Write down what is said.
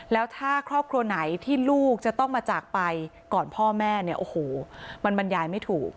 แล้วถ้าครอบครัวไหนที่ลูกจะต้องมาจากไปก่อนพ่อแม่เนี่ยโอ้โหมันบรรยายไม่ถูก